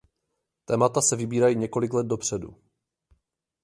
Témata se vybírají několik let dopředu.